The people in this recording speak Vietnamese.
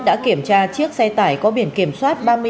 đã kiểm tra chiếc xe tải có biển kiểm soát